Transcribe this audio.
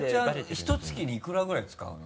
ひと月にいくらぐらい使うの？